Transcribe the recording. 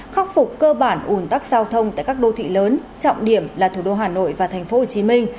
khắc phục cơ bản ủn tắc giao thông tại các đô thị lớn trọng điểm là thủ đô hà nội và thành phố hồ chí minh